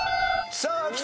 さあきた。